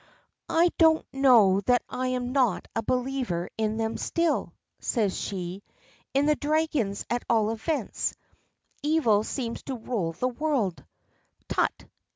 "I don't know that I am not a believer in them still," says she. "In the dragons, at all events. Evil seems to rule the world." "Tut!"